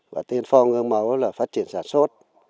và tiên phong ngưng máu là phát triển sản xuất